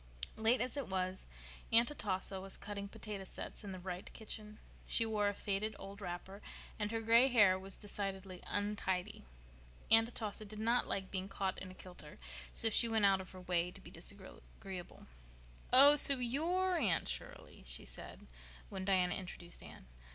Late as it was Aunt Atossa was cutting potato sets in the Wright kitchen. She wore a faded old wrapper, and her gray hair was decidedly untidy. Aunt Atossa did not like being "caught in a kilter," so she went out of her way to be disagreeable. "Oh, so you're Anne Shirley?" she said, when Diana introduced Anne.